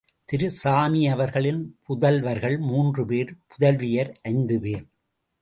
திரு சாமி அவர்களின் புதல்வர்கள் மூன்றுபேர், புதல்வியவர் ஐந்து பேர்.